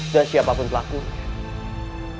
dan siapapun pelakunya